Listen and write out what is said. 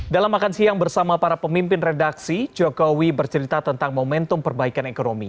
dalam makan siang bersama para pemimpin redaksi jokowi bercerita tentang momentum perbaikan ekonomi